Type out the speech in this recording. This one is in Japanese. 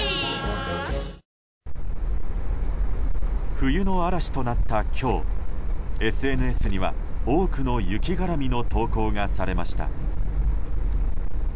冬の嵐となった今日ＳＮＳには多くの雪絡みの投稿がされました。